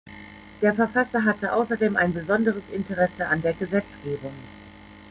Der Verfasser hatte außerdem ein besonderes Interesse an der Gesetzgebung.